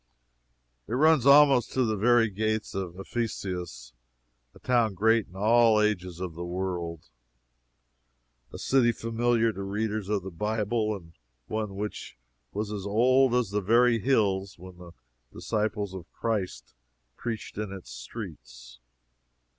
It runs almost to the very gates of Ephesus a town great in all ages of the world a city familiar to readers of the Bible, and one which was as old as the very hills when the disciples of Christ preached in its streets.